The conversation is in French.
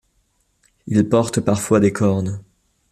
Ils portent parfois des cornes.